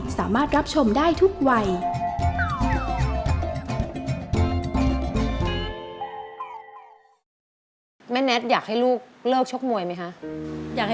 สามารถรับชมได้ทุกวัย